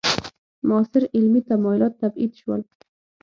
معاصر علمي تمایلات تبعید شول.